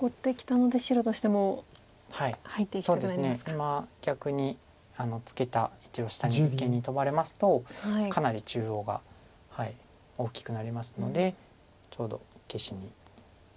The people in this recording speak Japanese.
今逆にツケた１路下に一間にトバれますとかなり中央が大きくなりますのでちょうど消しにいきました。